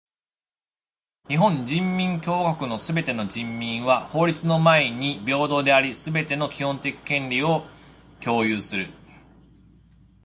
日本人民共和国のすべての人民は法律の前に平等であり、すべての基本的権利を享有する。